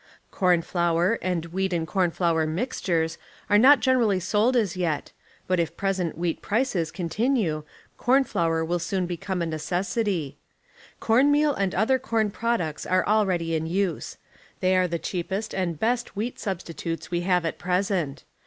Corn flour, and wheat and corn flour mixtures are not generally sold as yet, but if present wheat prices continue corn flour will soon become a necessity. Cornmeal and other corn products are already in use ; they are the cheapest and best wheat substitutes we have at present.